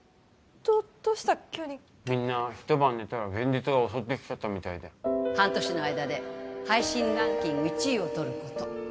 どどうした急にみんな一晩寝たら現実が襲ってきちゃったみたいで半年の間で配信ランキング１位をとること